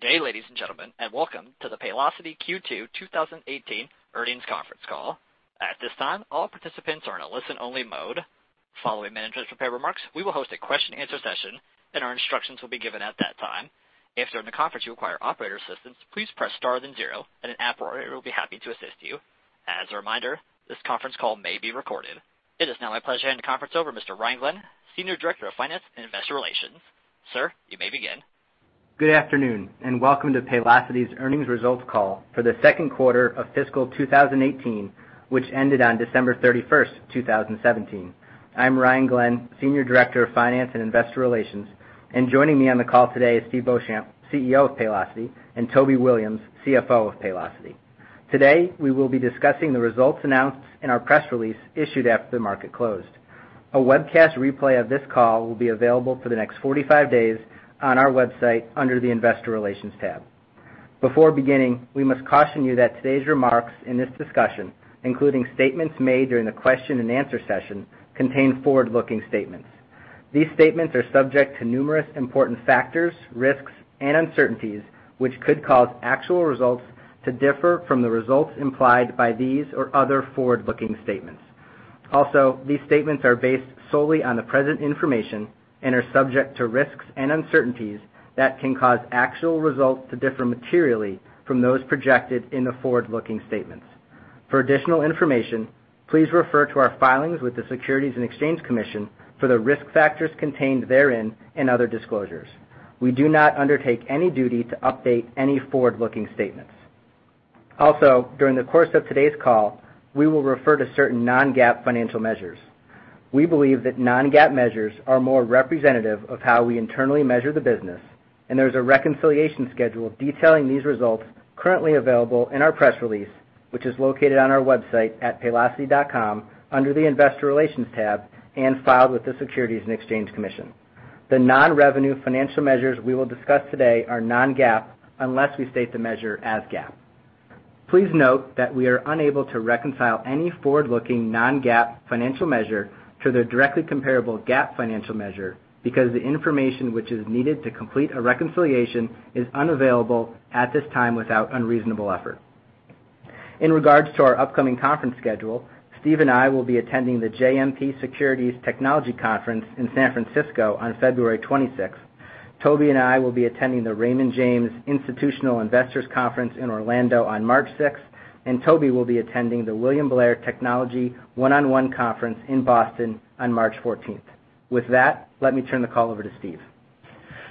Good day, ladies and gentlemen, welcome to the Paylocity Q2 2018 Earnings Conference Call. At this time, all participants are in a listen-only mode. Following management's prepared remarks, we will host a question and answer session. Our instructions will be given at that time. If during the conference you require operator assistance, please press star then zero. An operator will be happy to assist you. As a reminder, this conference call may be recorded. It is now my pleasure to hand the conference over to Mr. Ryan Glenn, Senior Director of Finance and Investor Relations. Sir, you may begin. Good afternoon, welcome to Paylocity's earnings results call for the second quarter of fiscal 2018, which ended on December 31st, 2017. I'm Ryan Glenn, Senior Director of Finance and Investor Relations. Joining me on the call today is Steve Beauchamp, CEO of Paylocity, and Toby Williams, CFO of Paylocity. Today, we will be discussing the results announced in our press release issued after the market closed. A webcast replay of this call will be available for the next 45 days on our website under the investor relations tab. Before beginning, we must caution you that today's remarks in this discussion, including statements made during the question and answer session, contain forward-looking statements. These statements are subject to numerous important factors, risks, and uncertainties, which could cause actual results to differ from the results implied by these or other forward-looking statements. These statements are based solely on the present information and are subject to risks and uncertainties that can cause actual results to differ materially from those projected in the forward-looking statements. For additional information, please refer to our filings with the Securities and Exchange Commission for the risk factors contained therein and other disclosures. We do not undertake any duty to update any forward-looking statements. During the course of today's call, we will refer to certain non-GAAP financial measures. We believe that non-GAAP measures are more representative of how we internally measure the business. There's a reconciliation schedule detailing these results currently available in our press release, which is located on our website at paylocity.com under the investor relations tab and filed with the Securities and Exchange Commission. The non-revenue financial measures we will discuss today are non-GAAP unless we state the measure as GAAP. Please note that we are unable to reconcile any forward-looking non-GAAP financial measure to their directly comparable GAAP financial measure because the information which is needed to complete a reconciliation is unavailable at this time without unreasonable effort. In regards to our upcoming conference schedule, Steve and I will be attending the JMP Securities Technology Conference in San Francisco on February 26th. Toby and I will be attending the Raymond James Institutional Investors Conference in Orlando on March 6th. Toby will be attending the William Blair Technology one-on-one conference in Boston on March 14th. With that, let me turn the call over to Steve.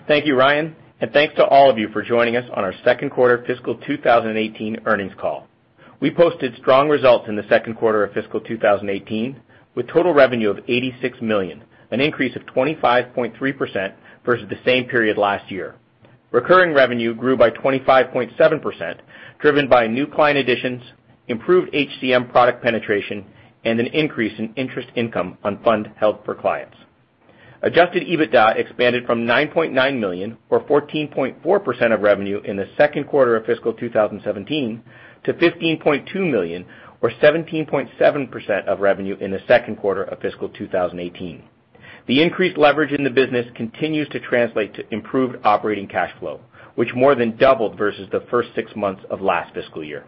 Thanks to all of you for joining us on our second quarter fiscal 2018 earnings call. We posted strong results in the second quarter of fiscal 2018 with total revenue of $86 million, an increase of 25.3% versus the same period last year. Recurring revenue grew by 25.7%, driven by new client additions, improved HCM product penetration, and an increase in interest income on fund held for clients. Adjusted EBITDA expanded from $9.9 million or 14.4% of revenue in the second quarter of fiscal 2017 to $15.2 million or 17.7% of revenue in the second quarter of fiscal 2018. The increased leverage in the business continues to translate to improved operating cash flow, which more than doubled versus the first six months of last fiscal year.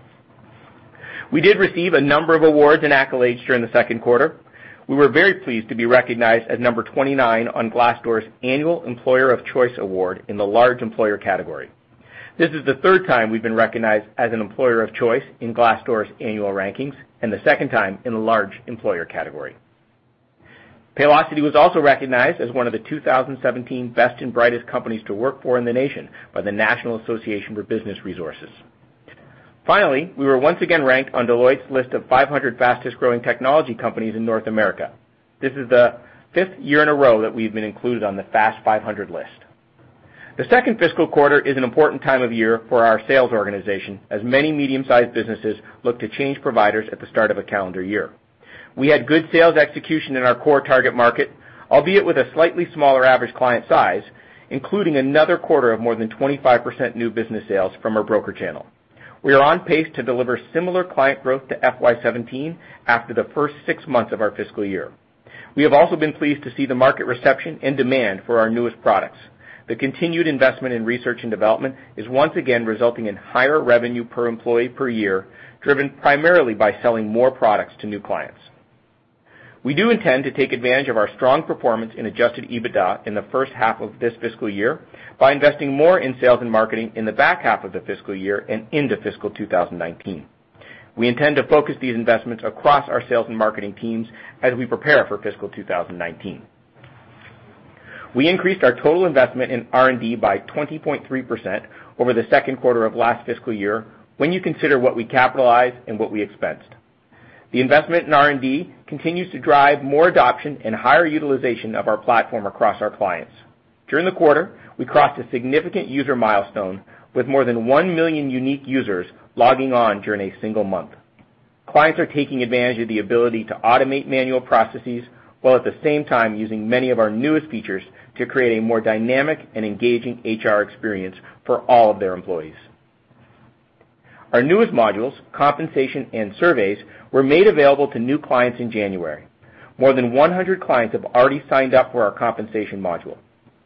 We did receive a number of awards and accolades during the second quarter. We were very pleased to be recognized as number 29 on Glassdoor's annual Employer of Choice Award in the large employer category. This is the third time we've been recognized as an employer of choice in Glassdoor's annual rankings and the second time in the large employer category. Paylocity was also recognized as one of the 2017 Best and Brightest Companies to Work For in the nation by the National Association for Business Resources. Finally, we were once again ranked on Deloitte's list of 500 fastest-growing technology companies in North America. This is the fifth year in a row that we've been included on the Fast 500 list. The second fiscal quarter is an important time of year for our sales organization, as many medium-sized businesses look to change providers at the start of a calendar year. We had good sales execution in our core target market, albeit with a slightly smaller average client size, including another quarter of more than 25% new business sales from our broker channel. We are on pace to deliver similar client growth to FY 2017 after the first six months of our fiscal year. We have also been pleased to see the market reception and demand for our newest products. The continued investment in research and development is once again resulting in higher revenue per employee per year, driven primarily by selling more products to new clients. We do intend to take advantage of our strong performance in adjusted EBITDA in the first half of this fiscal year by investing more in sales and marketing in the back half of the fiscal year and into fiscal 2019. We intend to focus these investments across our sales and marketing teams as we prepare for fiscal 2019. We increased our total investment in R&D by 20.3% over the second quarter of last fiscal year when you consider what we capitalized and what we expensed. The investment in R&D continues to drive more adoption and higher utilization of our platform across our clients. During the quarter, we crossed a significant user milestone with more than 1 million unique users logging on during a single month. Clients are taking advantage of the ability to automate manual processes while at the same time using many of our newest features to create a more dynamic and engaging HR experience for all of their employees. Our newest modules, compensation and surveys, were made available to new clients in January. More than 100 clients have already signed up for our compensation module.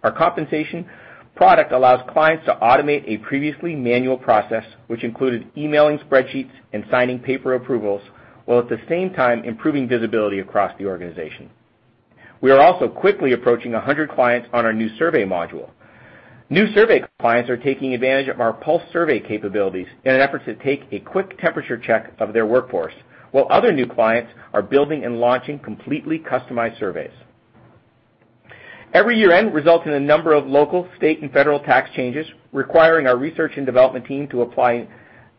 Our compensation product allows clients to automate a previously manual process, which included emailing spreadsheets and signing paper approvals, while at the same time improving visibility across the organization. We are also quickly approaching 100 clients on our new survey module. New survey clients are taking advantage of our pulse survey capabilities in an effort to take a quick temperature check of their workforce, while other new clients are building and launching completely customized surveys. Every year-end results in a number of local, state, and federal tax changes, requiring our research and development team to apply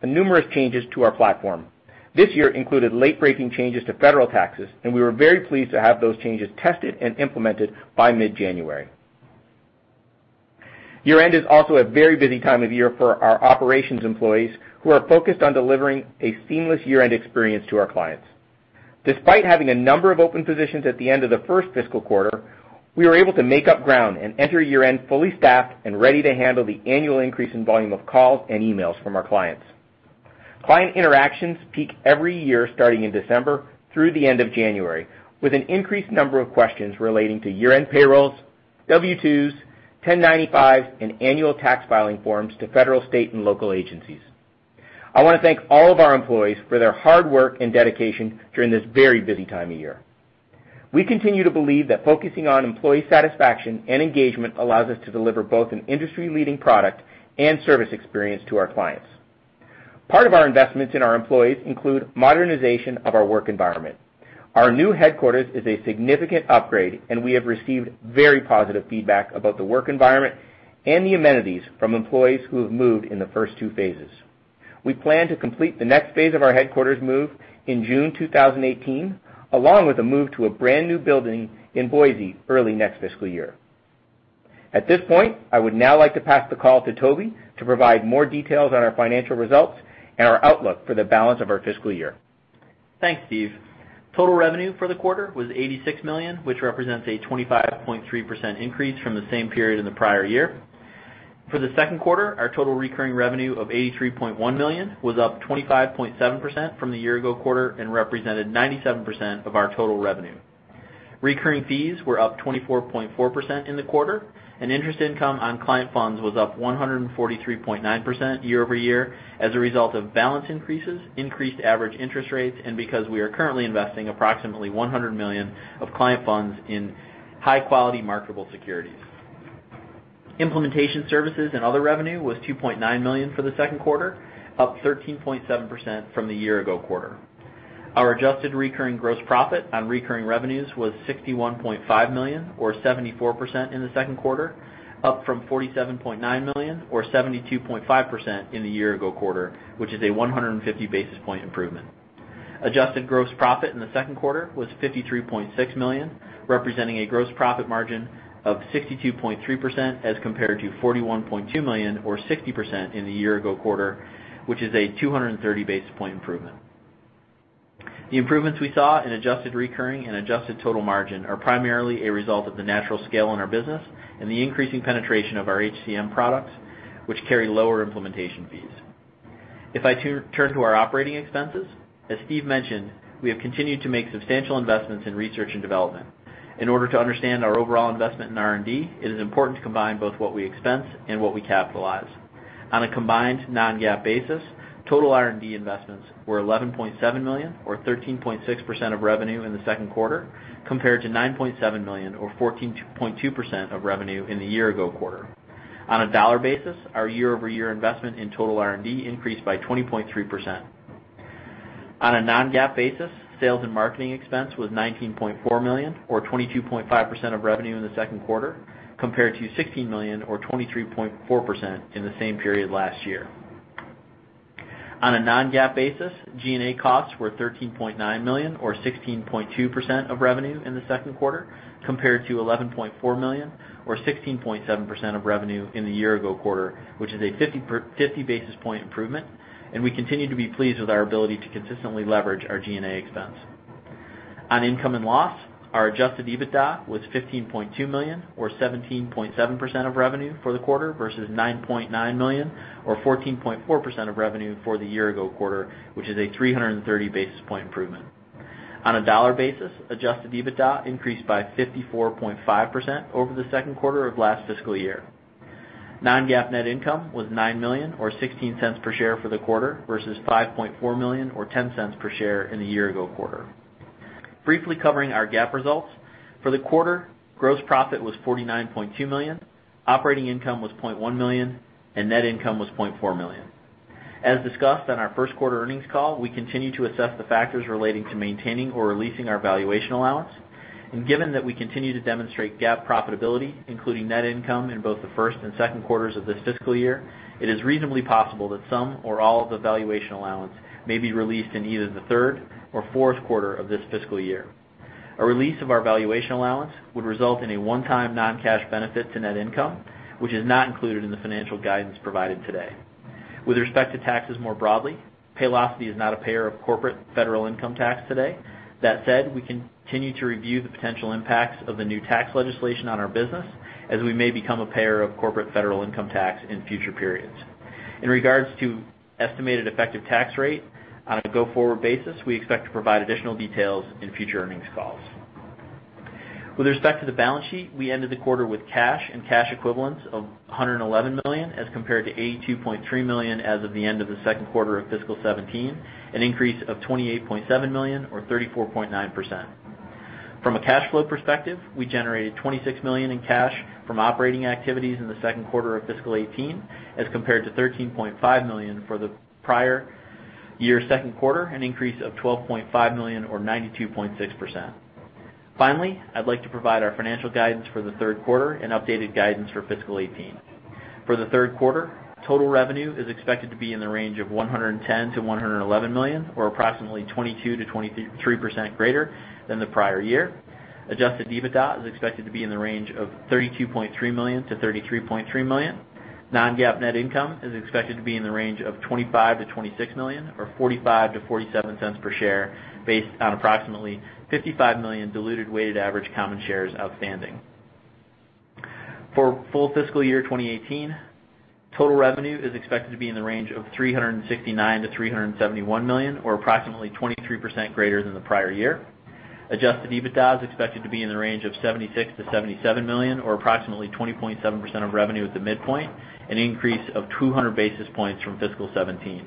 numerous changes to our platform. This year included late-breaking changes to federal taxes, and we were very pleased to have those changes tested and implemented by mid-January. Year-end is also a very busy time of year for our operations employees who are focused on delivering a seamless year-end experience to our clients. Despite having a number of open positions at the end of the first fiscal quarter, we were able to make up ground and enter year-end fully staffed and ready to handle the annual increase in volume of calls and emails from our clients. Client interactions peak every year, starting in December through the end of January, with an increased number of questions relating to year-end payrolls, W-2s, 1095 and annual tax filing forms to federal, state, and local agencies. I want to thank all of our employees for their hard work and dedication during this very busy time of year. We continue to believe that focusing on employee satisfaction and engagement allows us to deliver both an industry-leading product and service experience to our clients. Part of our investments in our employees include modernization of our work environment. Our new headquarters is a significant upgrade, and we have received very positive feedback about the work environment and the amenities from employees who have moved in the first two phases. We plan to complete the next phase of our headquarters move in June 2018, along with a move to a brand-new building in Boise early next fiscal year. At this point, I would now like to pass the call to Toby to provide more details on our financial results and our outlook for the balance of our fiscal year. Thanks, Steve. Total revenue for the quarter was $86 million, which represents a 25.3% increase from the same period in the prior year. For the second quarter, our total recurring revenue of $83.1 million was up 25.7% from the year ago quarter and represented 97% of our total revenue. Recurring fees were up 24.4% in the quarter, and interest income on client funds was up 143.9% year-over-year as a result of balance increases, increased average interest rates, and because we are currently investing approximately $100 million of client funds in high-quality marketable securities. Implementation services and other revenue was $2.9 million for the second quarter, up 13.7% from the year ago quarter. Our adjusted recurring gross profit on recurring revenues was $61.5 million, or 74% in the second quarter, up from $47.9 million or 72.5% in the year ago quarter, which is a 150 basis point improvement. Adjusted gross profit in the second quarter was $53.6 million, representing a gross profit margin of 62.3%, as compared to $41.2 million or 60% in the year-ago quarter, which is a 230-basis point improvement. The improvements we saw in adjusted recurring and adjusted total margin are primarily a result of the natural scale in our business and the increasing penetration of our HCM products, which carry lower implementation fees. If I turn to our operating expenses, as Steve mentioned, we have continued to make substantial investments in research and development. In order to understand our overall investment in R&D, it is important to combine both what we expense and what we capitalize. On a combined non-GAAP basis, total R&D investments were $11.7 million, or 13.6% of revenue in the second quarter, compared to $9.7 million, or 14.2% of revenue in the year-ago quarter. On a dollar basis, our year-over-year investment in total R&D increased by 20.3%. On a non-GAAP basis, sales and marketing expense was $19.4 million, or 22.5% of revenue in the second quarter, compared to $16 million or 23.4% in the same period last year. On a non-GAAP basis, G&A costs were $13.9 million or 16.2% of revenue in the second quarter, compared to $11.4 million or 16.7% of revenue in the year-ago quarter, which is a 50-basis point improvement, and we continue to be pleased with our ability to consistently leverage our G&A expense. On income and loss, our adjusted EBITDA was $15.2 million, or 17.7% of revenue for the quarter versus $9.9 million or 14.4% of revenue for the year-ago quarter, which is a 330-basis point improvement. On a dollar basis, adjusted EBITDA increased by 54.5% over the second quarter of last fiscal year. Non-GAAP net income was $9 million or $0.16 per share for the quarter versus $5.4 million or $0.10 per share in the year-ago quarter. Briefly covering our GAAP results. For the quarter, gross profit was $49.2 million, operating income was $0.1 million, and net income was $0.4 million. As discussed on our first quarter earnings call, we continue to assess the factors relating to maintaining or releasing our valuation allowance. Given that we continue to demonstrate GAAP profitability, including net income in both the first and second quarters of this fiscal year, it is reasonably possible that some or all of the valuation allowance may be released in either the third or fourth quarter of this fiscal year. A release of our valuation allowance would result in a one-time non-cash benefit to net income, which is not included in the financial guidance provided today. With respect to taxes more broadly, Paylocity is not a payer of corporate federal income tax today. That said, we continue to review the potential impacts of the new tax legislation on our business as we may become a payer of corporate federal income tax in future periods. In regards to estimated effective tax rate on a go-forward basis, we expect to provide additional details in future earnings calls. With respect to the balance sheet, we ended the quarter with cash and cash equivalents of $111 million as compared to $82.3 million as of the end of the second quarter of fiscal 2017, an increase of $28.7 million or 34.9%. From a cash flow perspective, we generated $26 million in cash from operating activities in the second quarter of fiscal 2018, as compared to $13.5 million for the prior year second quarter, an increase of $12.5 million or 92.6%. Finally, I'd like to provide our financial guidance for the third quarter and updated guidance for fiscal 2018. For the third quarter, total revenue is expected to be in the range of $110 million-$111 million, or approximately 22%-23% greater than the prior year. Adjusted EBITDA is expected to be in the range of $32.3 million-$33.3 million. Non-GAAP net income is expected to be in the range of $25 million-$26 million or $0.45-$0.47 per share based on approximately 55 million diluted weighted average common shares outstanding. For full fiscal year 2018, total revenue is expected to be in the range of $369 million-$371 million, or approximately 23% greater than the prior year. Adjusted EBITDA is expected to be in the range of $76 million-$77 million, or approximately 20.7% of revenue at the midpoint, an increase of 200 basis points from fiscal 2017.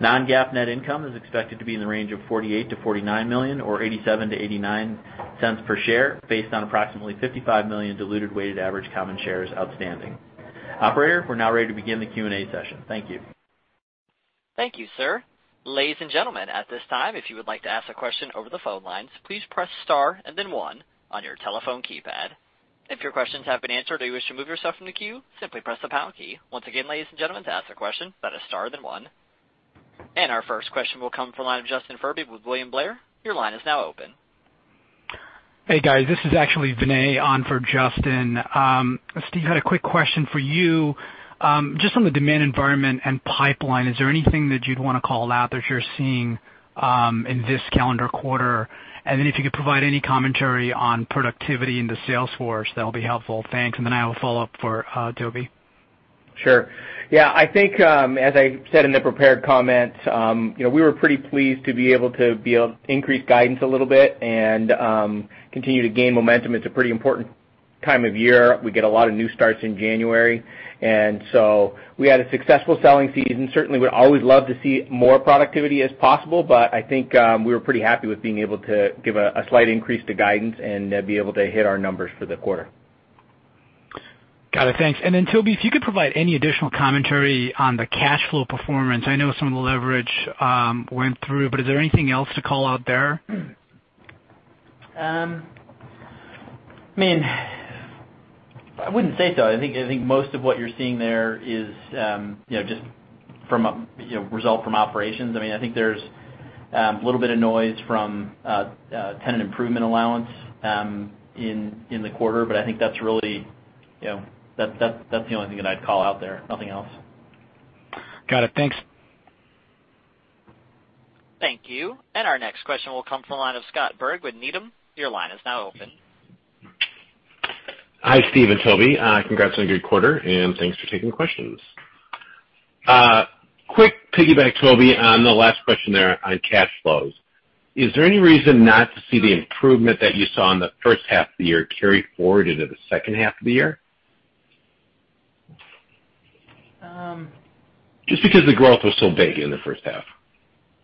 Non-GAAP net income is expected to be in the range of $48 million-$49 million or $0.87-$0.89 per share based on approximately 55 million diluted weighted average common shares outstanding. Operator, we're now ready to begin the Q&A session. Thank you. Thank you, sir. Ladies and gentlemen, at this time, if you would like to ask a question over the phone lines, please press star and then one on your telephone keypad. If your questions have been answered or you wish to remove yourself from the queue, simply press the pound key. Once again, ladies and gentlemen, to ask a question, press star, then one. Our first question will come from the line of Justin Furby with William Blair. Your line is now open. Hey, guys, this is actually Vinay on for Justin. Steve, had a quick question for you. Just on the demand environment and pipeline, is there anything that you'd want to call out that you're seeing in this calendar quarter? If you could provide any commentary on productivity in the sales force, that'll be helpful. Thanks. I will follow up for Toby. Sure. Yeah, I think, as I said in the prepared comments, we were pretty pleased to be able to increase guidance a little bit and continue to gain momentum. It's a pretty important time of year. We get a lot of new starts in January. We had a successful selling season. Certainly would always love to see more productivity as possible, but I think we were pretty happy with being able to give a slight increase to guidance and be able to hit our numbers for the quarter. Got it. Thanks. Toby, if you could provide any additional commentary on the cash flow performance. I know some of the leverage went through, but is there anything else to call out there? I wouldn't say so. I think most of what you're seeing there is just from a result from operations. I think there's a little bit of noise from tenant improvement allowance in the quarter, but I think that's the only thing that I'd call out there. Nothing else. Got it. Thanks. Thank you. Our next question will come from the line of Scott Berg with Needham. Your line is now open. Hi, Steve and Toby. Congrats on a good quarter, and thanks for taking questions. Quick piggyback, Toby, on the last question there on cash flows. Is there any reason not to see the improvement that you saw in the first half of the year carry forward into the second half of the year? Just because the growth was so big in the first half.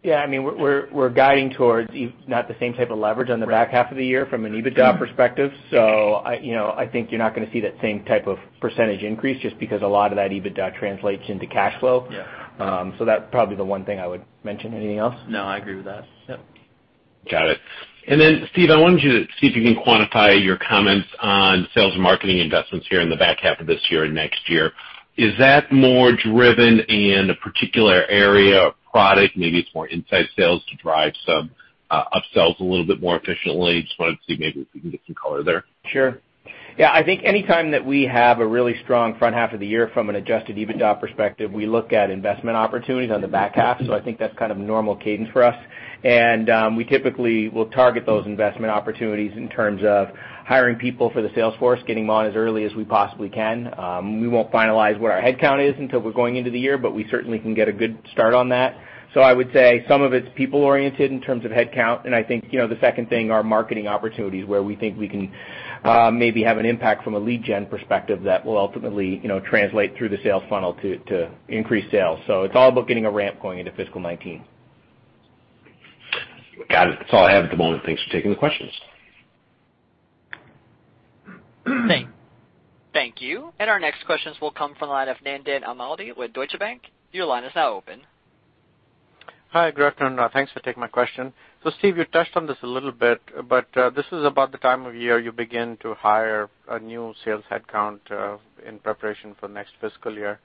Yeah, we're guiding towards not the same type of leverage on the back half of the year from an EBITDA perspective. I think you're not going to see that same type of % increase just because a lot of that EBITDA translates into cash flow. Yeah. That's probably the one thing I would mention. Anything else? No, I agree with that. Yep. Got it. Steve, I wanted you to see if you can quantify your comments on sales and marketing investments here in the back half of this year and next year. Is that more driven in a particular area or product? Maybe it's more inside sales to drive some upsells a little bit more efficiently. Just wanted to see maybe if we can get some color there. Sure. I think anytime that we have a really strong front half of the year from an adjusted EBITDA perspective, we look at investment opportunities on the back half. I think that's kind of normal cadence for us. We typically will target those investment opportunities in terms of hiring people for the sales force, getting them on as early as we possibly can. We won't finalize what our headcount is until we're going into the year, but we certainly can get a good start on that. I would say some of it's people-oriented in terms of headcount, and I think the second thing, our marketing opportunities, where we think we can maybe have an impact from a lead gen perspective that will ultimately translate through the sales funnel to increase sales. It's all about getting a ramp going into fiscal 2019. Got it. That's all I have at the moment. Thanks for taking the questions. Thank you. Our next questions will come from the line of Nandan Amladi with Deutsche Bank. Your line is now open. Hi, great turn out. Thanks for taking my question. Steve, you touched on this a little bit, but, this is about the time of year you begin to hire a new sales headcount in preparation for next fiscal year.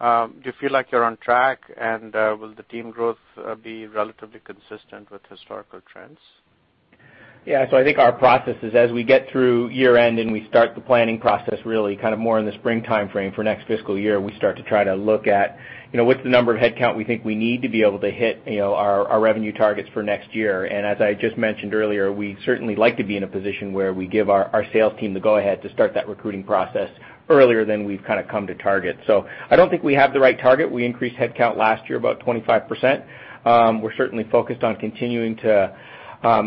Do you feel like you're on track, and will the team growth be relatively consistent with historical trends? Yeah. I think our process is as we get through year-end and we start the planning process really more in the spring timeframe for next fiscal year, we start to try to look at what's the number of headcount we think we need to be able to hit our revenue targets for next year. As I just mentioned earlier, we certainly like to be in a position where we give our sales team the go-ahead to start that recruiting process earlier than we've come to target. I don't think we have the right target. We increased headcount last year about 25%. We're certainly focused on continuing to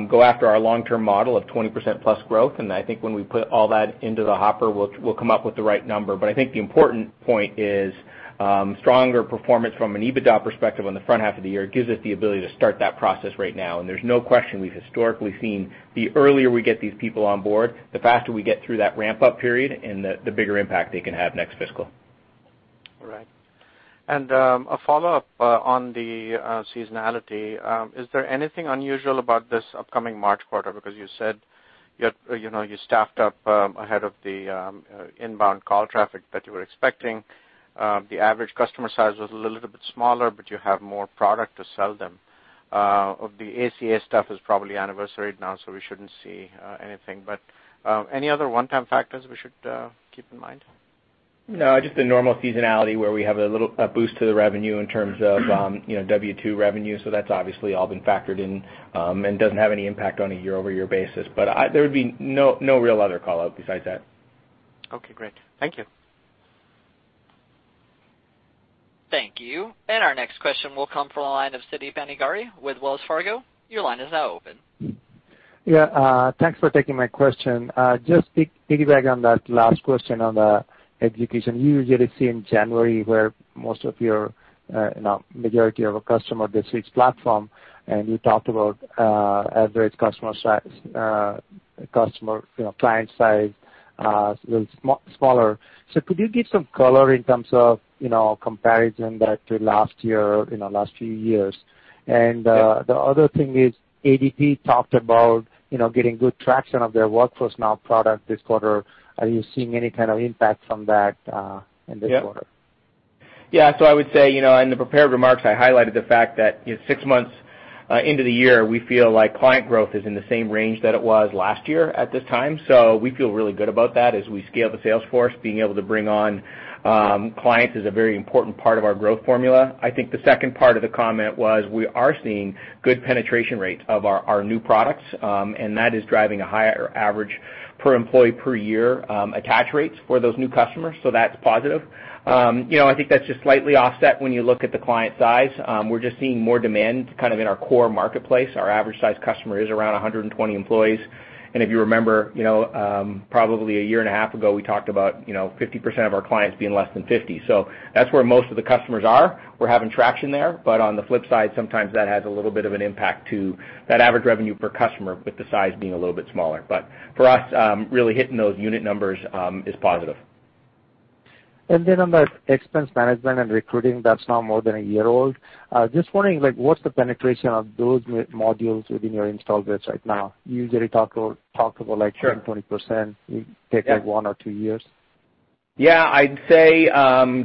go after our long-term model of 20% plus growth. I think when we put all that into the hopper, we'll come up with the right number. I think the important point is, stronger performance from an EBITDA perspective on the front half of the year gives us the ability to start that process right now. There's no question we've historically seen, the earlier we get these people on board, the faster we get through that ramp-up period, and the bigger impact they can have next fiscal. All right. A follow-up on the seasonality. Is there anything unusual about this upcoming March quarter? Because you said you staffed up ahead of the inbound call traffic that you were expecting. The average customer size was a little bit smaller, but you have more product to sell them. The ACA stuff is probably anniversaried now, so we shouldn't see anything. Any other one-time factors we should keep in mind? No, just the normal seasonality where we have a little boost to the revenue in terms of W-2 revenue. That's obviously all been factored in, and doesn't have any impact on a year-over-year basis. There would be no real other call-out besides that. Okay, great. Thank you. Thank you. Our next question will come from the line of Siti Panigrahi with Wells Fargo. Your line is now open. Yeah, thanks for taking my question. Just piggyback on that last question on the acquisition. You usually see in January where most of your majority of a customer that switch platform, and you talked about average customer size, client size was smaller. Could you give some color in terms of comparison that to last year, last few years? The other thing is, ADP talked about getting good traction of their Workforce Now product this quarter. Are you seeing any kind of impact from that in this quarter? Yeah. I would say, in the prepared remarks, I highlighted the fact that six months into the year, we feel like client growth is in the same range that it was last year at this time. We feel really good about that as we scale the sales force. Being able to bring on clients is a very important part of our growth formula. I think the second part of the comment was, we are seeing good penetration rates of our new products, and that is driving a higher average per employee per year attach rates for those new customers. That's positive. I think that's just slightly offset when you look at the client size. We're just seeing more demand in our core marketplace. Our average size customer is around 120 employees. If you remember, probably a year and a half ago, we talked about 50% of our clients being less than 50. That's where most of the customers are. We're having traction there, but on the flip side, sometimes that has a little bit of an impact to that average revenue per customer, with the size being a little bit smaller. For us, really hitting those unit numbers is positive. On the expense management and recruiting, that's now more than a year old. Just wondering, what's the penetration of those modules within your install base right now? You usually talk about 10%, 20%. Sure. It would take one or two years. Yeah. I'd say,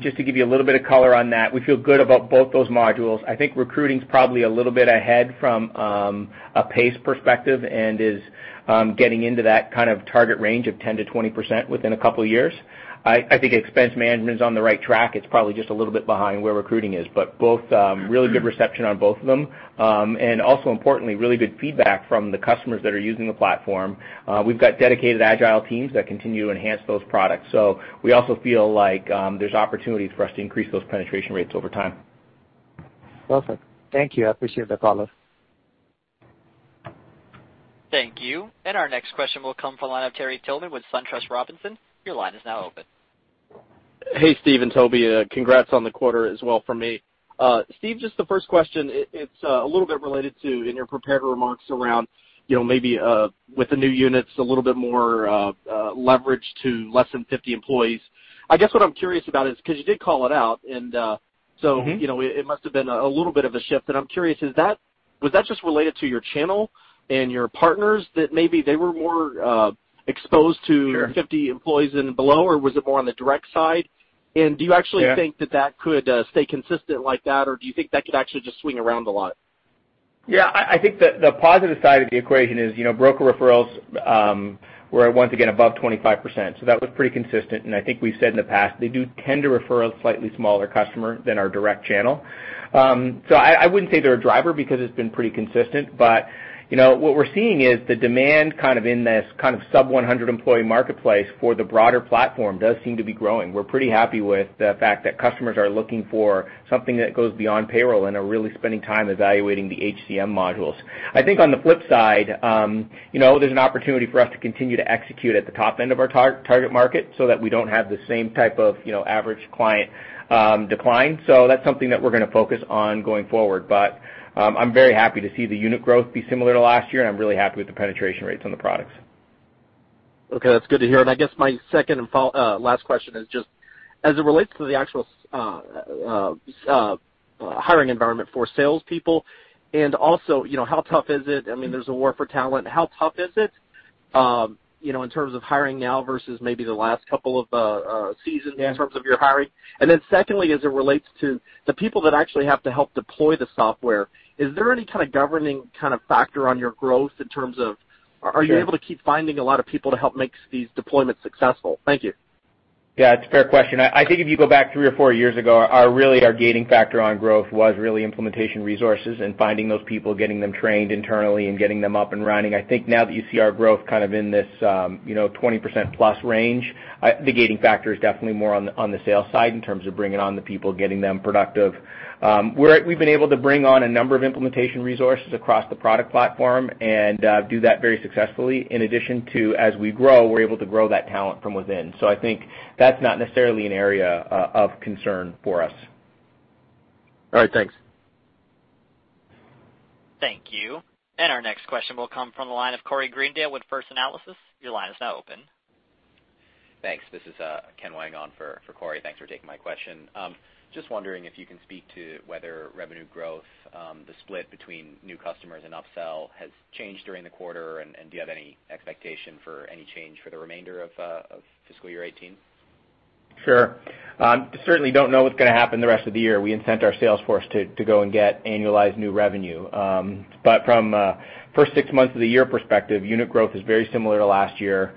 just to give you a little bit of color on that, we feel good about both those modules. I think recruiting's probably a little bit ahead from a pace perspective, and is getting into that target range of 10%-20% within a couple of years. I think expense management is on the right track. It's probably just a little bit behind where recruiting is, but both, really good reception on both of them. Also importantly, really good feedback from the customers that are using the platform. We've got dedicated agile teams that continue to enhance those products. We also feel like there's opportunities for us to increase those penetration rates over time. Perfect. Thank you. I appreciate the call. Thank you. Our next question will come from the line of Terry Tillman with SunTrust Robinson. Your line is now open. Hey, Steve and Toby. Congrats on the quarter as well from me. Steve, just the first question. It's a little bit related to, in your prepared remarks around maybe with the new units, a little bit more leverage to less than 50 employees. I guess what I'm curious about is, because you did call it out, it must have been a little bit of a shift. I'm curious, was that just related to your channel and your partners, that maybe they were more exposed to 50 employees and below, or was it more on the direct side? Do you actually think that that could stay consistent like that, or do you think that could actually just swing around a lot? Yeah, I think the positive side of the equation is broker referrals were once again above 25%. That was pretty consistent. I think we've said in the past, they do tend to refer a slightly smaller customer than our direct channel. I wouldn't say they're a driver because it's been pretty consistent. What we're seeing is the demand in this sub 100 employee marketplace for the broader platform does seem to be growing. We're pretty happy with the fact that customers are looking for something that goes beyond payroll and are really spending time evaluating the HCM modules. I think on the flip side, there's an opportunity for us to continue to execute at the top end of our target market so that we don't have the same type of average client decline. That's something that we're going to focus on going forward. I'm very happy to see the unit growth be similar to last year, and I'm really happy with the penetration rates on the products. Okay. That's good to hear. I guess my second and last question is just, as it relates to the actual hiring environment for salespeople, also, how tough is it? I mean, there's a war for talent. How tough is it? In terms of hiring now versus maybe the last couple of seasons. Yeah in terms of your hiring. Secondly, as it relates to the people that actually have to help deploy the software, is there any kind of governing factor on your growth in terms of. Sure Are you able to keep finding a lot of people to help make these deployments successful? Thank you. Yeah, it's a fair question. I think if you go back three or four years ago, really, our gating factor on growth was really implementation resources and finding those people, getting them trained internally, and getting them up and running. I think now that you see our growth kind of in this 20% plus range, the gating factor is definitely more on the sales side in terms of bringing on the people, getting them productive. We've been able to bring on a number of implementation resources across the product platform and do that very successfully. In addition to, as we grow, we're able to grow that talent from within. I think that's not necessarily an area of concern for us. All right, thanks. Thank you. Our next question will come from the line of Corey Greendale with First Analysis. Your line is now open. Thanks. This is Ken Wang on for Corey. Thanks for taking my question. Just wondering if you can speak to whether revenue growth, the split between new customers and upsell, has changed during the quarter. Do you have any expectation for any change for the remainder of fiscal year 2018? Sure. Certainly don't know what's going to happen the rest of the year. We incent our sales force to go and get annualized new revenue. From a first six months of the year perspective, unit growth is very similar to last year.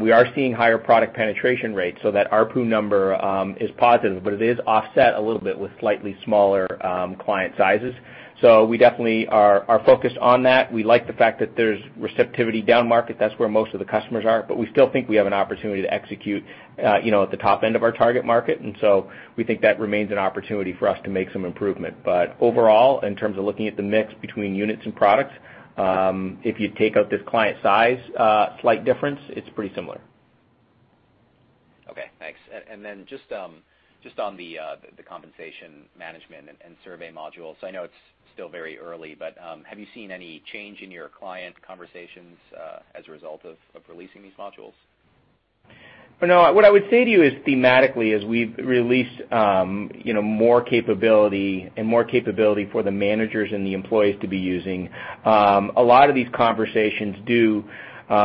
We are seeing higher product penetration rates, so that ARPU number is positive, but it is offset a little bit with slightly smaller client sizes. We definitely are focused on that. We like the fact that there's receptivity down market. That's where most of the customers are, but we still think we have an opportunity to execute at the top end of our target market, and so we think that remains an opportunity for us to make some improvement. Overall, in terms of looking at the mix between units and products, if you take out this client size slight difference, it's pretty similar. Okay, thanks. Just on the compensation management and survey modules, I know it's still very early, but have you seen any change in your client conversations as a result of releasing these modules? No. What I would say to you is thematically, as we've released more capability and more capability for the managers and the employees to be using, a lot of these conversations do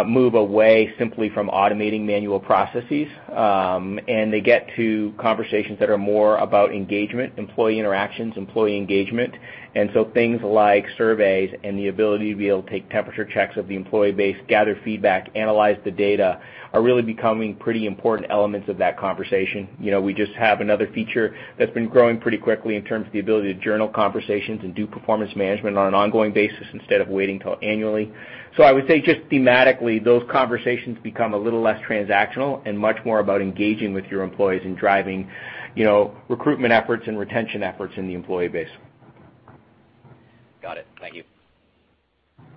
move away simply from automating manual processes. They get to conversations that are more about engagement, employee interactions, employee engagement. Things like surveys and the ability to be able to take temperature checks of the employee base, gather feedback, analyze the data, are really becoming pretty important elements of that conversation. We just have another feature that's been growing pretty quickly in terms of the ability to journal conversations and do performance management on an ongoing basis instead of waiting till annually. I would say just thematically, those conversations become a little less transactional and much more about engaging with your employees and driving recruitment efforts and retention efforts in the employee base. Got it. Thank you.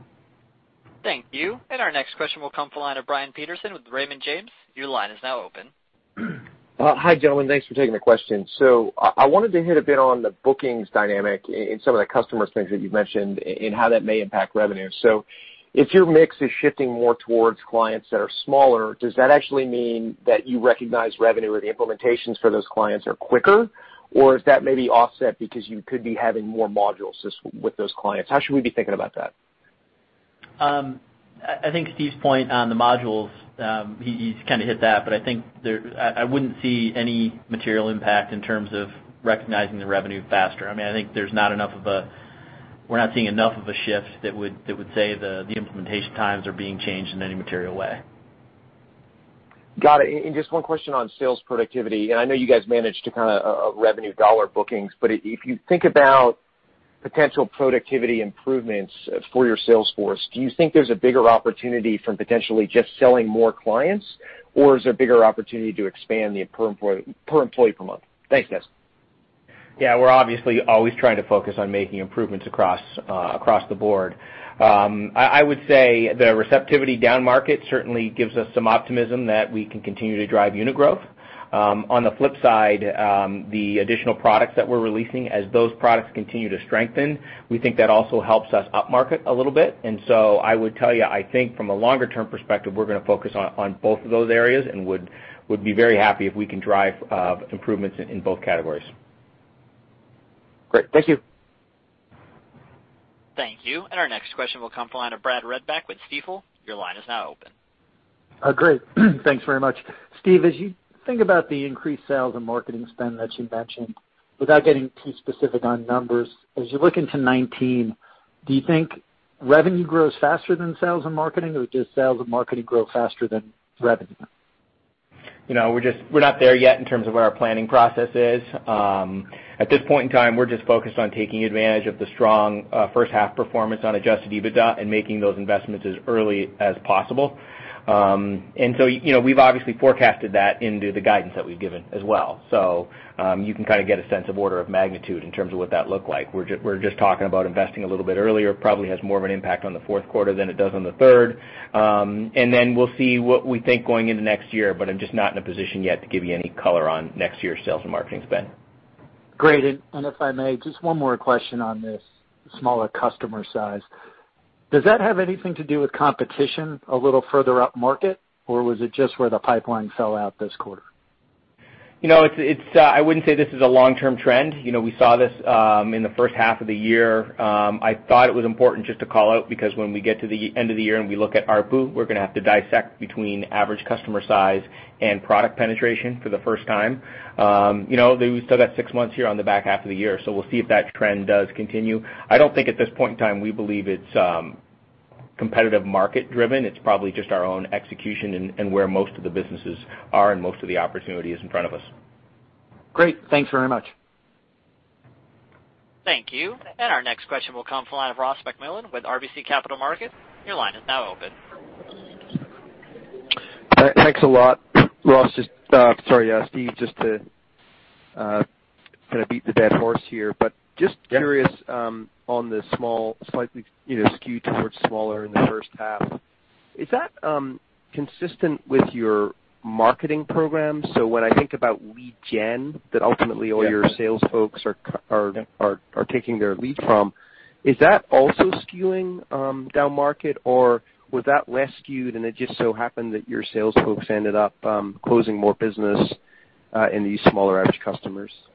Thank you. Our next question will come from the line of Brian Peterson with Raymond James. Your line is now open. Hi, gentlemen. Thanks for taking the question. I wanted to hit a bit on the bookings dynamic and some of the customer things that you've mentioned and how that may impact revenue. If your mix is shifting more towards clients that are smaller, does that actually mean that you recognize revenue or the implementations for those clients are quicker? Is that maybe offset because you could be having more modules with those clients? How should we be thinking about that? I think Steve's point on the modules, he's kind of hit that, but I wouldn't see any material impact in terms of recognizing the revenue faster. We're not seeing enough of a shift that would say the implementation times are being changed in any material way. Got it. Just one question on sales productivity, and I know you guys managed to kind of revenue dollar bookings, but if you think about potential productivity improvements for your sales force, do you think there's a bigger opportunity from potentially just selling more clients? Is there a bigger opportunity to expand the per employee per month? Thanks, guys. Yeah, we're obviously always trying to focus on making improvements across the board. I would say the receptivity down market certainly gives us some optimism that we can continue to drive unit growth. On the flip side, the additional products that we're releasing, as those products continue to strengthen, we think that also helps us up market a little bit. I would tell you, I think from a longer-term perspective, we're going to focus on both of those areas and would be very happy if we can drive improvements in both categories. Great. Thank you. Thank you. Our next question will come from the line of Brad Reback with Stifel. Your line is now open. Great. Thanks very much. Steve, as you think about the increased sales and marketing spend that you mentioned, without getting too specific on numbers, as you look into 2019, do you think revenue grows faster than sales and marketing, or does sales and marketing grow faster than revenue? We're not there yet in terms of where our planning process is. At this point in time, we're just focused on taking advantage of the strong first half performance on adjusted EBITDA and making those investments as early as possible. We've obviously forecasted that into the guidance that we've given as well. You can kind of get a sense of order of magnitude in terms of what that look like. We're just talking about investing a little bit earlier, probably has more of an impact on the fourth quarter than it does on the third. We'll see what we think going into next year, but I'm just not in a position yet to give you any color on next year's sales and marketing spend. Great. If I may, just one more question on this smaller customer size. Does that have anything to do with competition a little further up market, or was it just where the pipeline fell out this quarter? I wouldn't say this is a long-term trend. We saw this in the first half of the year. I thought it was important just to call out, because when we get to the end of the year and we look at ARPU, we're going to have to dissect between average customer size and product penetration for the first time. We still got six months here on the back half of the year, so we'll see if that trend does continue. I don't think at this point in time, we believe it's competitive market driven. It's probably just our own execution and where most of the businesses are and most of the opportunity is in front of us. Great. Thanks very much. Thank you. Our next question will come from the line of Ross MacMillan with RBC Capital Markets. Your line is now open. Thanks a lot, Ross. Sorry, Steve, just to beat the dead horse here, just curious on the slightly skewed towards smaller in the first half. Is that consistent with your marketing program? When I think about lead gen, that ultimately all your sales folks are taking their lead from, is that also skewing down market, or was that less skewed and it just so happened that your sales folks ended up closing more business in these smaller average customers? Yeah.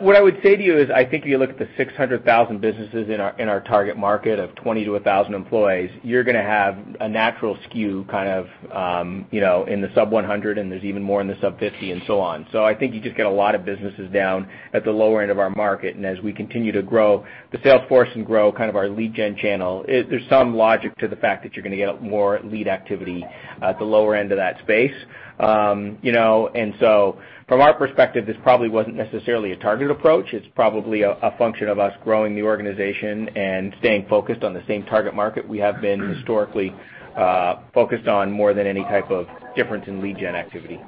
What I would say to you is, I think if you look at the 600,000 businesses in our target market of 20 to 1,000 employees, you're going to have a natural skew in the sub 100, and there's even more in the sub 50 and so on. I think you just get a lot of businesses down at the lower end of our market. As we continue to grow the sales force and grow our lead gen channel, there's some logic to the fact that you're going to get more lead activity at the lower end of that space. From our perspective, this probably wasn't necessarily a targeted approach. It's probably a function of us growing the organization and staying focused on the same target market we have been historically focused on more than any type of difference in lead gen activity.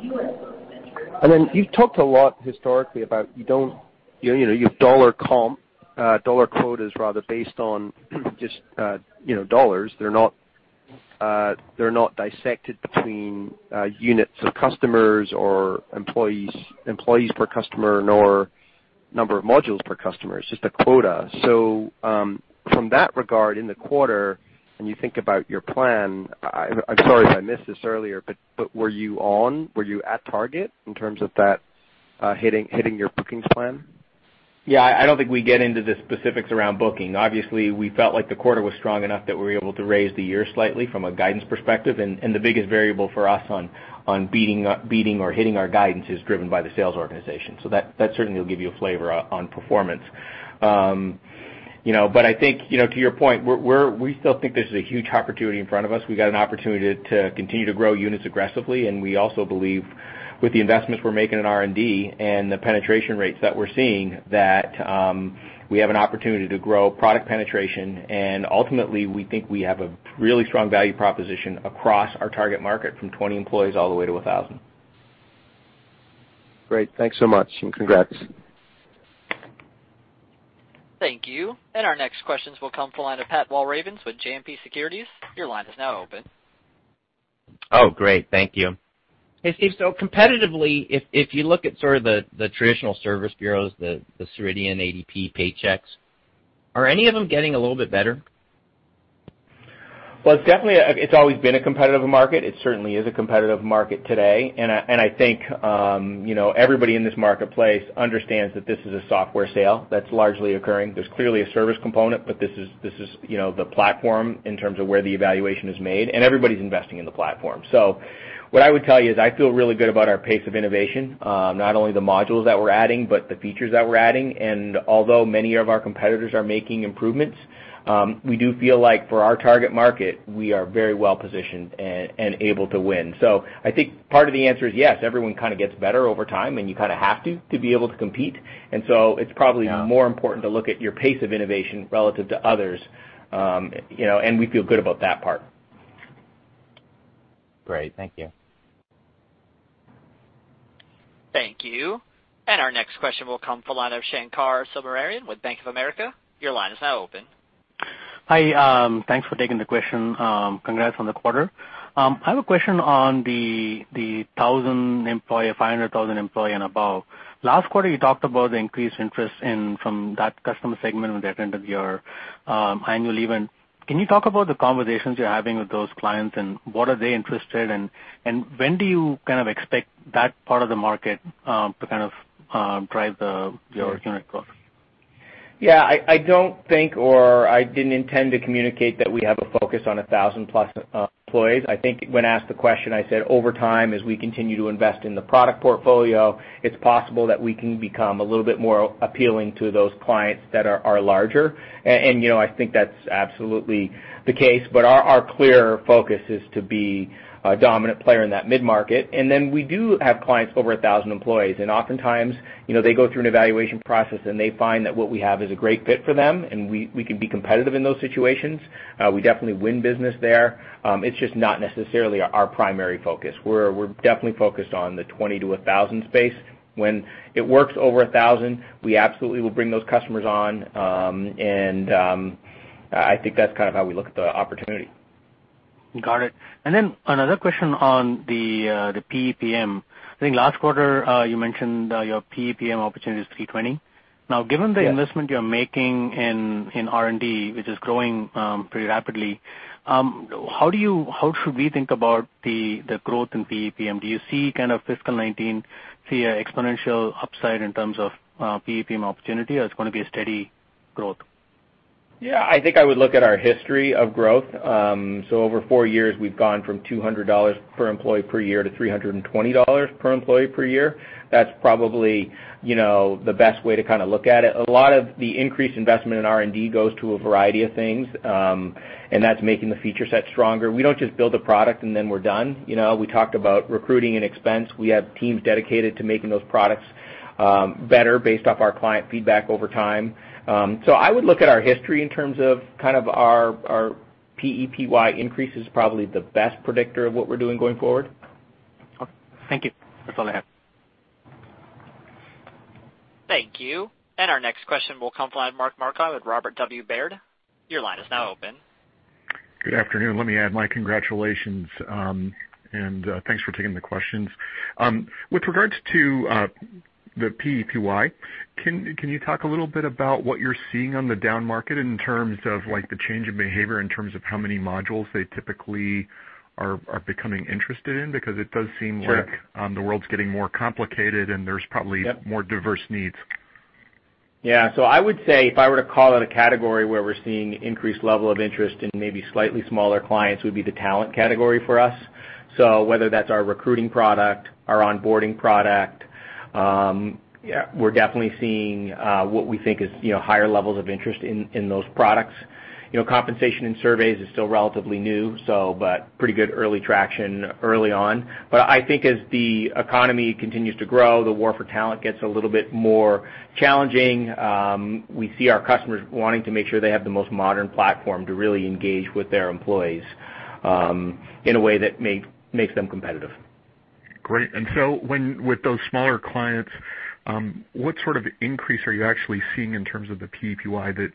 You've talked a lot historically about your dollar quotas based on just dollars. They're not dissected between units of customers or employees per customer, nor number of modules per customer. It's just a quota. From that regard in the quarter, when you think about your plan, I'm sorry if I missed this earlier, were you at target in terms of that hitting your bookings plan? Yeah, I don't think we get into the specifics around booking. Obviously, we felt like the quarter was strong enough that we were able to raise the year slightly from a guidance perspective, the biggest variable for us on beating or hitting our guidance is driven by the sales organization. That certainly will give you a flavor on performance. I think to your point, we still think this is a huge opportunity in front of us. We got an opportunity to continue to grow units aggressively, and we also believe with the investments we're making in R&D and the penetration rates that we're seeing, that we have an opportunity to grow product penetration, ultimately, we think we have a really strong value proposition across our target market from 20 employees all the way to 1,000. Great. Thanks so much. Congrats. Thank you. Our next questions will come from the line of Pat Walravens with JMP Securities. Your line is now open. Great. Thank you. Hey, Steve. Competitively, if you look at sort of the traditional service bureaus, the Ceridian, ADP, Paychex, are any of them getting a little bit better? It's always been a competitive market. It certainly is a competitive market today. I think everybody in this marketplace understands that this is a software sale that's largely occurring. There's clearly a service component, but this is the platform in terms of where the evaluation is made. Everybody's investing in the platform. What I would tell you is I feel really good about our pace of innovation. Not only the modules that we're adding, but the features that we're adding. Although many of our competitors are making improvements, we do feel like for our target market, we are very well-positioned and able to win. I think part of the answer is yes, everyone gets better over time. You have to be able to compete. It's probably more important to look at your pace of innovation relative to others. We feel good about that part. Great. Thank you. Thank you. Our next question will come from the line of Shankar Selvarajan with Bank of America. Your line is now open. Hi. Thanks for taking the question. Congrats on the quarter. I have a question on the 500, 1,000 employee and above. Last quarter, you talked about the increased interest from that customer segment at the end of your annual event. Can you talk about the conversations you're having with those clients, and what are they interested in? When do you expect that part of the market to drive your unit growth? Yeah, I don't think, or I didn't intend to communicate that we have a focus on 1,000 plus employees. I think when asked the question, I said over time, as we continue to invest in the product portfolio, it's possible that we can become a little bit more appealing to those clients that are larger. I think that's absolutely the case, but our clear focus is to be a dominant player in that mid-market. We do have clients over 1,000 employees, and oftentimes they go through an evaluation process, and they find that what we have is a great fit for them, and we can be competitive in those situations. We definitely win business there. It's just not necessarily our primary focus. We're definitely focused on the 20 to 1,000 space. When it works over 1,000, we absolutely will bring those customers on. I think that's how we look at the opportunity. Got it. Another question on the PEPM. I think last quarter, you mentioned your PEPM opportunity is 320. Now, given the investment you're making in R&D, which is growing pretty rapidly, how should we think about the growth in PEPM? Do you see FY 2019 see an exponential upside in terms of PEPM opportunity, or it's going to be a steady growth? Yeah. I think I would look at our history of growth. Over four years, we've gone from $200 per employee per year to $320 per employee per year. That's probably the best way to look at it. A lot of the increased investment in R&D goes to a variety of things, and that's making the feature set stronger. We don't just build a product and then we're done. We talked about recruiting and expense. We have teams dedicated to making those products better based off our client feedback over time. I would look at our history in terms of our PEPY increase is probably the best predictor of what we're doing going forward. Okay. Thank you. That's all I have. Thank you. Our next question will come from Mark Marcon with Robert W. Baird. Your line is now open. Good afternoon. Let me add my congratulations, and thanks for taking the questions. With regards to the PEPY, can you talk a little bit about what you're seeing on the down market in terms of the change in behavior, in terms of how many modules they typically are becoming interested in? Sure The world's getting more complicated. Yep more diverse needs. Yeah. I would say if I were to call out a category where we're seeing increased level of interest in maybe slightly smaller clients would be the talent category for us. Whether that's our recruiting product, our onboarding product, we're definitely seeing what we think is higher levels of interest in those products. Compensation and surveys is still relatively new, but pretty good early traction early on. I think as the economy continues to grow, the war for talent gets a little bit more challenging. We see our customers wanting to make sure they have the most modern platform to really engage with their employees, in a way that makes them competitive. Great. With those smaller clients, what sort of increase are you actually seeing in terms of the PEPY that,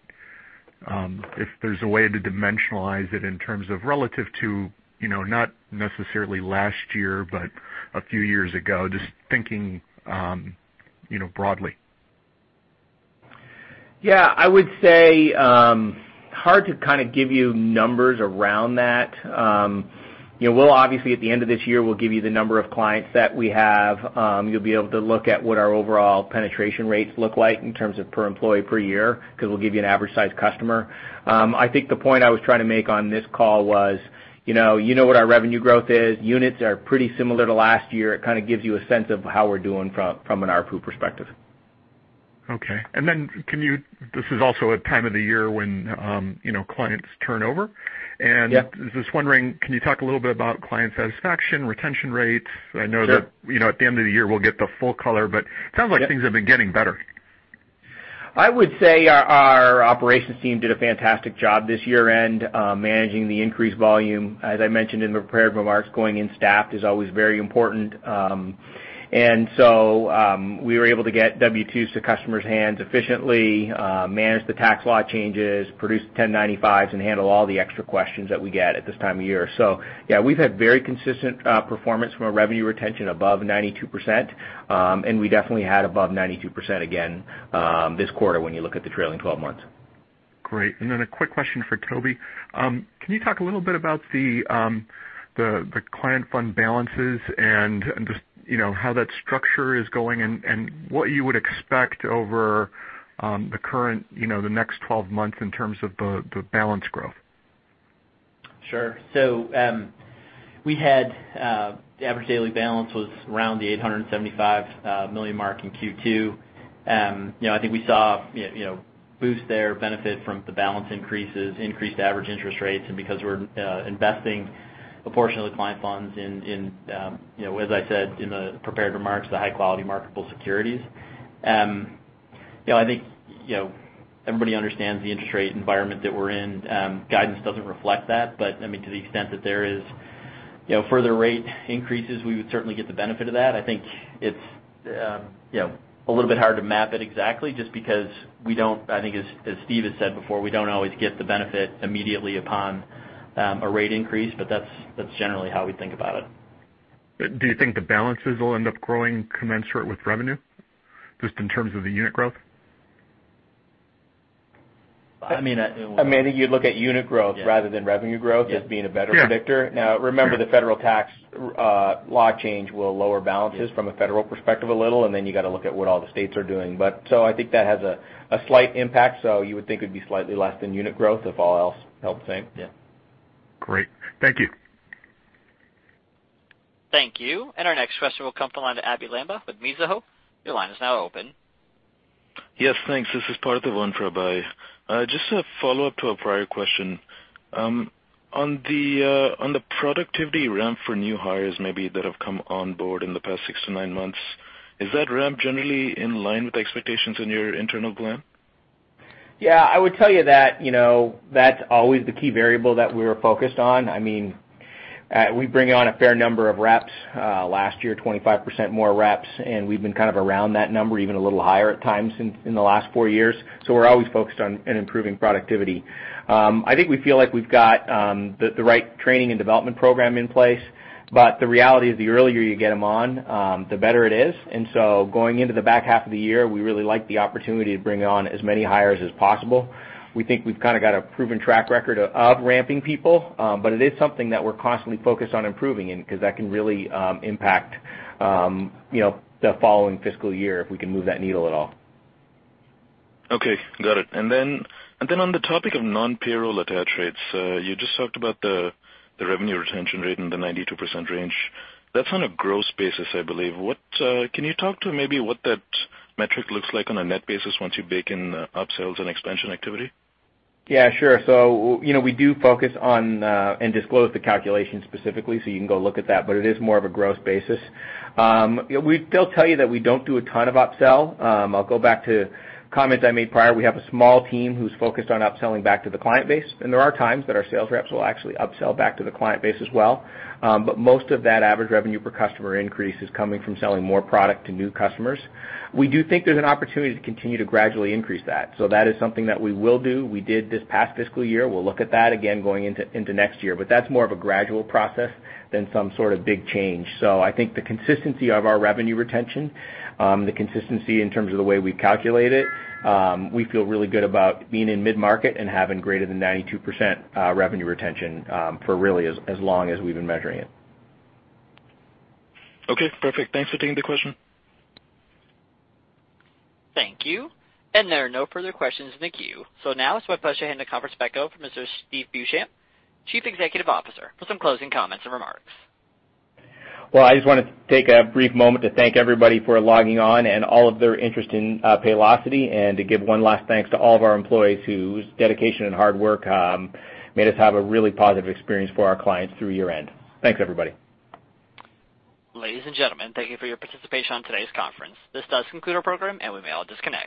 if there's a way to dimensionalize it in terms of relative to, not necessarily last year, but a few years ago, just thinking broadly. Yeah. I would say, hard to give you numbers around that. At the end of this year, we'll give you the number of clients that we have. You'll be able to look at what our overall penetration rates look like in terms of per employee per year, because we'll give you an average size customer. I think the point I was trying to make on this call was, you know what our revenue growth is. Units are pretty similar to last year. It kind of gives you a sense of how we're doing from an ARPU perspective. Okay. This is also a time of the year when clients turn over. Yeah. Just wondering, can you talk a little bit about client satisfaction, retention rates? Sure. I know that at the end of the year, we'll get the full color, sounds like things have been getting better. I would say our operations team did a fantastic job this year end, managing the increased volume. As I mentioned in the prepared remarks, going in staffed is always very important. We were able to get W-2s to customers' hands efficiently, manage the tax law changes, produce 1095s, and handle all the extra questions that we get at this time of year. Yeah, we've had very consistent performance from a revenue retention above 92%, and we definitely had above 92% again this quarter when you look at the trailing 12 months. Great. A quick question for Toby. Can you talk a little bit about the client fund balances and just how that structure is going, and what you would expect over the next 12 months in terms of the balance growth? Sure. The average daily balance was around the $875 million mark in Q2. I think we saw boost there, benefit from the balance increases, increased average interest rates, and because we're investing a portion of the client funds in, as I said in the prepared remarks, the high-quality marketable securities. I think everybody understands the interest rate environment that we're in. Guidance doesn't reflect that, but to the extent that there is further rate increases, we would certainly get the benefit of that. I think it's a little bit hard to map it exactly just because I think as Steve has said before, we don't always get the benefit immediately upon a rate increase, but that's generally how we think about it. Do you think the balances will end up growing commensurate with revenue, just in terms of the unit growth? I mean, you'd look at unit growth rather than revenue growth as being a better predictor. Yeah. Sure. Remember, the federal tax law change will lower balances from a federal perspective a little, then you got to look at what all the states are doing. I think that has a slight impact. You would think it'd be slightly less than unit growth if all else held the same. Yeah. Great. Thank you. Thank you. Our next question will come from the line of Abhey Lamba with Mizuho. Your line is now open. Yes, thanks. This is Parthivan Prabhai. Just a follow-up to a prior question. On the productivity ramp for new hires maybe that have come on board in the past six to nine months, is that ramp generally in line with the expectations in your internal plan? Yeah. I would tell you that's always the key variable that we're focused on. We bring on a fair number of reps. Last year, 25% more reps, and we've been around that number, even a little higher at times in the last four years. We're always focused on improving productivity. I think we feel like we've got the right training and development program in place, but the reality is the earlier you get them on, the better it is. Going into the back half of the year, we really like the opportunity to bring on as many hires as possible. We think we've got a proven track record of ramping people. It is something that we're constantly focused on improving in, because that can really impact the following fiscal year if we can move that needle at all. Okay, got it. On the topic of non-payroll attach rates, you just talked about the revenue retention rate in the 92% range. That's on a gross basis, I believe. Can you talk to maybe what that metric looks like on a net basis once you bake in upsells and expansion activity? Yeah, sure. We do focus on and disclose the calculation specifically, so you can go look at that, but it is more of a gross basis. We still tell you that we don't do a ton of upsell. I'll go back to comments I made prior. We have a small team who's focused on upselling back to the client base, and there are times that our sales reps will actually upsell back to the client base as well. Most of that average revenue per customer increase is coming from selling more product to new customers. We do think there's an opportunity to continue to gradually increase that. That is something that we will do. We did this past fiscal year. We'll look at that again going into next year. That's more of a gradual process than some sort of big change. I think the consistency of our revenue retention, the consistency in terms of the way we calculate it, we feel really good about being in mid-market and having greater than 92% revenue retention for really as long as we've been measuring it. Okay, perfect. Thanks for taking the question. Thank you. There are no further questions in the queue. Now it's my pleasure to hand the conference back over to Mr. Steve Beauchamp, Chief Executive Officer, for some closing comments and remarks. Well, I just wanted to take a brief moment to thank everybody for logging on and all of their interest in Paylocity, and to give one last thanks to all of our employees whose dedication and hard work made us have a really positive experience for our clients through year-end. Thanks, everybody. Ladies and gentlemen, thank you for your participation on today's conference. This does conclude our program and we may all disconnect.